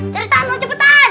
ceritain dong cepetan